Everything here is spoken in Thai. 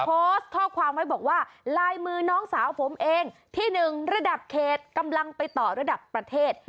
โพสต์ข้อความไว้บอกว่าลายมือน้องสาวผมเองที่๑ระดับเขตกำลังไปต่อระดับประเทศ